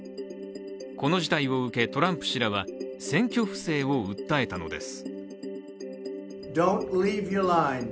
この事態を受け、トランプ氏らは選挙不正を訴えたのです。